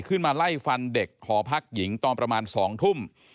ขึ้นมาไล่ฟันเด็กหอพักหญิงตอนประมาณ๒ทุ่ม